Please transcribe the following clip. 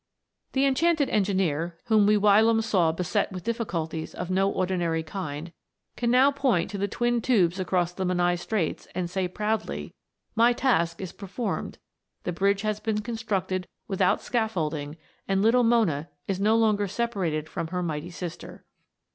The enchanted engineer, whom we whilom saw beset with difficulties of no ordinary kind, can now point to the twin tubes across the Menai Straits, and say proudly, " My task is performed, the bridge has been constructed without scaffolding, and little Mona is no longer separated from her mighty sister."